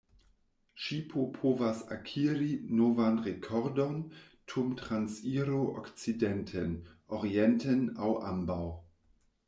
Ŝipo povas akiri novan rekordon dum transiro okcidenten, orienten aŭ ambaŭ.